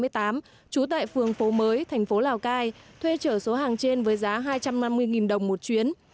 trú tại phường phố mới thành phố lào cai thuê chở số hàng trên với giá hai trăm năm mươi đồng một chuyến